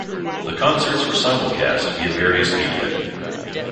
The concerts were simulcast via various media.